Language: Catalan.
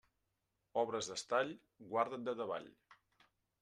Obres d'estall, guarda't de davall.